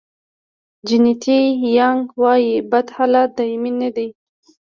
جیني یانګ وایي بد حالت دایمي نه دی.